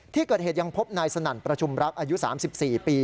ที่เกิดเหตุยังพบนายสนั่นประชุมรักอายุ๓๔ปี